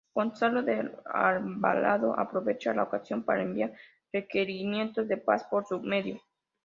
Gonzalo de Alvarado aprovechó la ocasión para enviar requerimientos de paz por su medio.